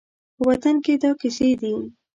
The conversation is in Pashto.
په وطن کې دا کیسې دي